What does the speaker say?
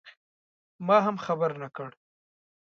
ما هم خبر نه کړ.